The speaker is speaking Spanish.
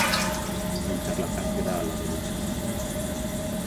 El charlatán queda a la derecha.